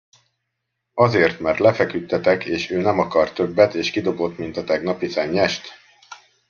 Azért, mert lefeküdtetek és ő nem akart többet, és kidobott mint a tegnapi szennyest?